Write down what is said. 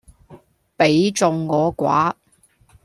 彼眾我寡